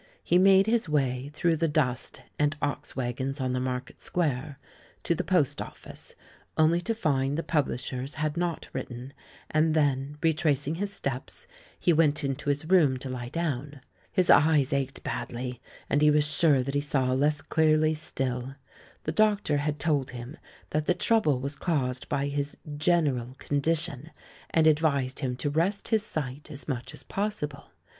He made his way, through the dust and ox wagons on the Market Square, to the post office, only to find the publishers had not written; and then, retrac ing his steps, he went into his room to lie down. His eyes ached badly, and he was sure that he saw less clearly still. The doctor had told him that the trouble was caused by his "general con dition" and advised him to rest his sight as much as possible.